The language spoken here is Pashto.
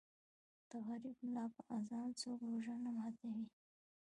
ـ د غریب ملا په اذان څوک روژه نه ماتوي.